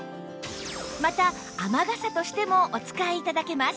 また雨傘としてもお使い頂けます